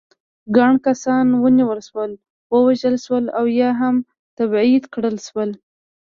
ګڼ کسان ونیول شول، ووژل شول او یا هم تبعید کړل شول.